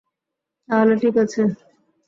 তাহলে ঠিক আছে!